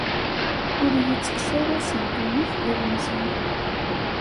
Ur iyi-ttekkes ara si ddunit, d ilemẓi.